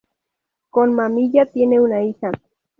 Con Mamiya tiene una hija.